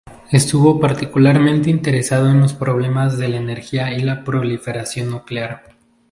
Estuvo particularmente interesado en los problemas de la energía y la proliferación nuclear.